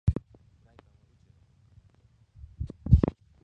フライパンは宇宙のコックピット